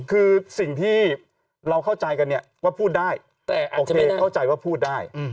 คือสิ่งที่เราเข้าใจกันเนี่ยว่าพูดได้แต่โอเคเข้าใจว่าพูดได้